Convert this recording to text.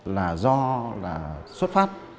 là do là xuất phát